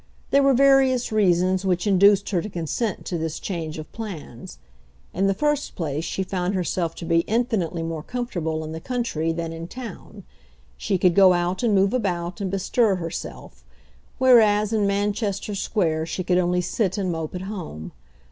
There were various reasons which induced her to consent to this change of plans. In the first place she found herself to be infinitely more comfortable in the country than in town. She could go out and move about and bestir herself, whereas in Manchester Square she could only sit and mope at home.